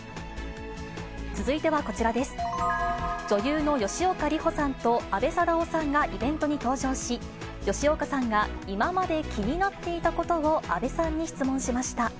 女優の吉岡里帆さんと阿部サダヲさんがイベントに登場し、吉岡さんが今まで気になっていたことを阿部さんに質問しました。